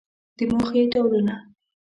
د موخې ډولونه